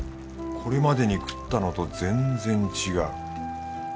これまでに食ったのと全然違う。